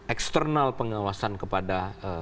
eksternal pengawasan kepada